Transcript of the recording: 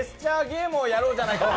ゲームをやろうじゃないかと。